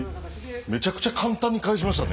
めちゃくちゃ簡単に返しましたね。